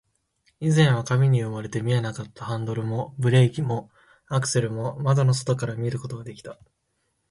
以前は紙に埋もれて見えなかったハンドルも、ブレーキも、アクセルも、窓の外から見ることができた